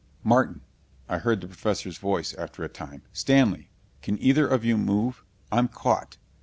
"Martin," I heard the Professor's voice after a time. "Stanley can either of you move? I'm caught."